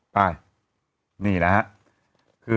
ไปนี่นะฮะ